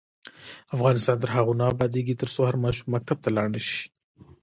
افغانستان تر هغو نه ابادیږي، ترڅو هر ماشوم مکتب ته لاړ نشي.